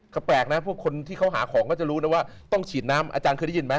ก็แปลกนะพวกคนที่เขาหาของก็จะรู้นะว่าต้องฉีดน้ำอาจารย์เคยได้ยินไหม